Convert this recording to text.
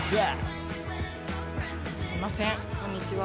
すいませんこんにちは。